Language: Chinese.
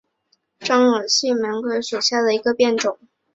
獐耳细辛为毛茛科獐耳细辛属下的一个变种。